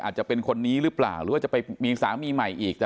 จะเป็นคนนี้หรือเปล่าหรือว่าจะไปมีสามีใหม่อีก